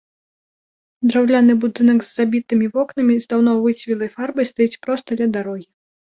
Драўляны будынак з забітымі вокнамі, з даўно выцвілай фарбай стаіць проста ля дарогі.